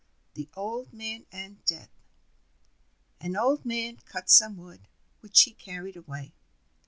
THE OLD MAN AND DEATH An Old Man cut some wood, which he carried away.